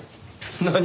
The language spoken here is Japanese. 何？